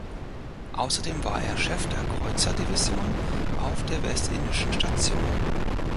Außerdem war er Chef der Kreuzerdivision auf der Westindischen Station.